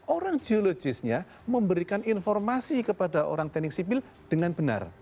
orang geologisnya memberikan informasi kepada orang teknik sipil dengan benar